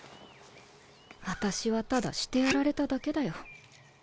私はただしてやられただけだよ。